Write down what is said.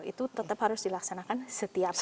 itu tetap harus dilaksanakan setiap hari